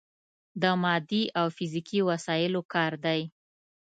د مادي او فزیکي وسايلو کار دی.